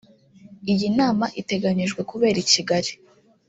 Iyi nama iteganyijwe kubera i Kigali